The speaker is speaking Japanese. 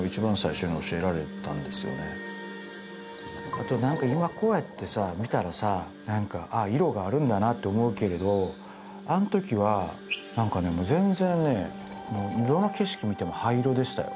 あと何か今こうやってさ見たらさあ何かああ色があるんだなって思うけれどあの時は何かねもう全然ねどの景色見ても灰色でしたよ